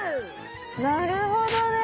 なるほどね。